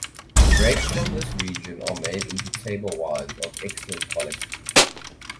Grapes from this region are made into table wines of excellent quality.